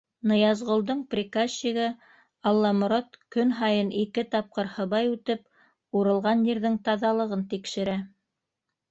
Ныязғолдоң приказчигы Алламорат көн һайын ике тапҡыр һыбай үтеп, урылған ерҙең таҙалығын тикшерә.